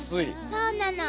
そうなの。